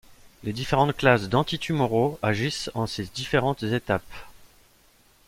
Les différentes classes d’anti-tumoraux agissent en ces différentes étapes.